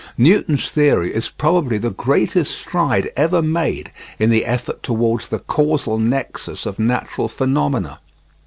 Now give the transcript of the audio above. Newton's theory is probably the greatest stride ever made in the effort towards the causal nexus of natural phenomena.